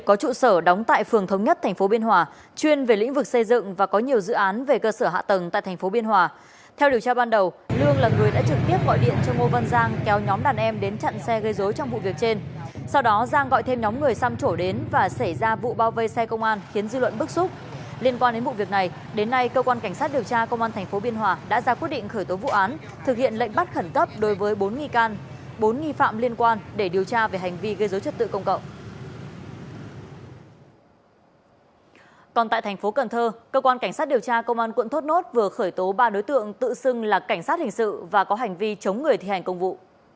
còn tại thành phố cần thơ cơ quan cảnh sát điều tra công an quận thuất nốt vừa khởi tố ba đối tượng tự xưng là cảnh sát hình sự và có hành vi chống người thi hành công vụ